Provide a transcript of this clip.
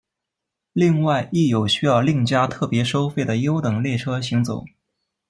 另外亦有需要另加特别收费的优等列车行走。